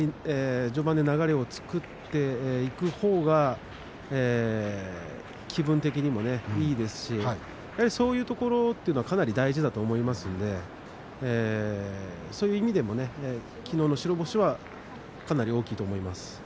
序盤で流れを作っていくほうが気分的にもいいですしそういうところはかなり大事だと思いますのでそういう意味でもきのうの白星はかなり大きいと思います。